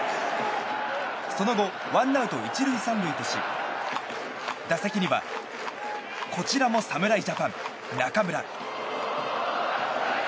その後、ワンアウト１塁３塁とし打席にはこちらも侍ジャパン、中村。